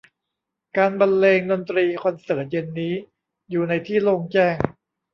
การบรรเลงดนตรีคอนเสิร์ตเย็นนี้อยู่ในที่โล่งแจ้ง